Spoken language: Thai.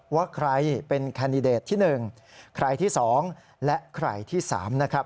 ว่าใครเป็นแคนดิเดตที่หนึ่งใครที่สองและใครที่สามนะครับ